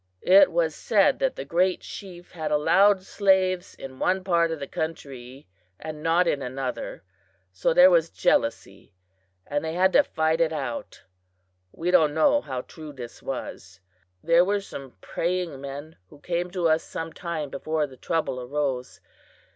It was said that the Great Chief had allowed slaves in one part of the country and not in another, so there was jealousy, and they had to fight it out. We don't know how true this was. "There were some praying men who came to us some time before the trouble arose.